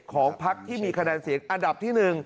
ของพักที่มีคะแนนเสียงอันดับที่๑